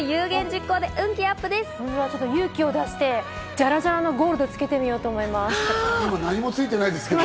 勇気を出して、ジャラジャラのゴールドをつけてみようと思います。